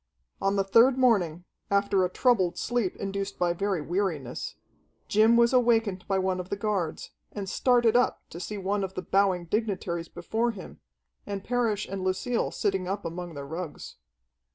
On the third morning, after a troubled sleep induced by very weariness, Jim was awakened by one of the guards, and started up to see one of the bowing dignitaries before him, and Parrish and Lucille sitting up among their rugs.